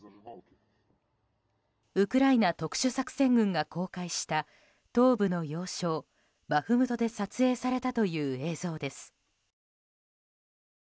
ウクライナ特殊作戦軍が公開した東部の要衝バフムトで撮影されたという映像です。